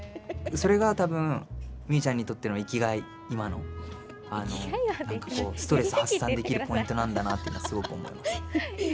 それが多分みーちゃんにとっての生きがい、今の何かこうストレス発散できるポイントなんだなっていうのはすごく思います。